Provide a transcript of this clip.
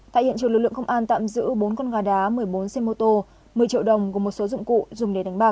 tại hiện trường lực lượng công an tạm giữ bốn con gà đá một mươi bốn xe mô tô một mươi triệu đồng gồm một số dụng cụ dùng để đánh bạc